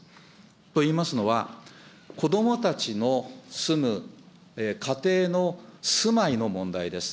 といいますのは、子どもたちの住む家庭の住まいの問題です。